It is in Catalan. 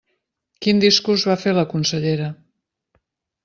Quin discurs va fer la consellera?